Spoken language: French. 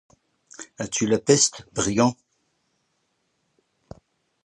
As-tu la peste, brigand ?